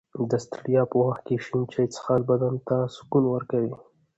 د ستړیا په وخت کې د شین چای څښل بدن ته سکون ورکوي.